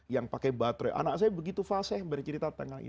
yang pakai baterai